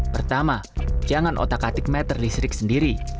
pertama jangan otak atik meter listrik sendiri